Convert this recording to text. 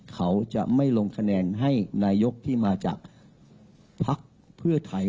เขาจะไม่ลงคะแนนให้นายกที่มาจากภักดิ์เพื่อไทย